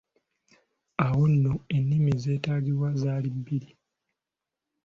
Awo nno ennimi ezeetaagibwanga zaali bbiri.